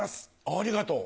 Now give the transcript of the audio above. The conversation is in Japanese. ありがとう。